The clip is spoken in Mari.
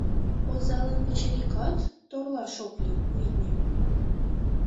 — Озалан пычырикат торлаш ок лий, витне.